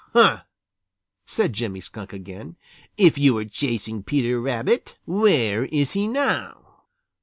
"Huh!" said Jimmy Skunk again. "If you were chasing Peter Rabbit, where is he now?"